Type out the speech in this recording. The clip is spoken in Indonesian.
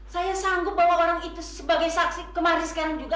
saya sanggup bahwa orang itu sebagai saksi kemarin sekarang juga